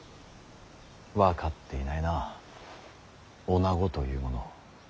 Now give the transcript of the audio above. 分かっていないな女子というものを。